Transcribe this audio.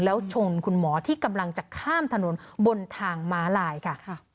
แล้วชนคุณหมอที่กำลังจะข้ามถนนบนทางม้าลายค่ะ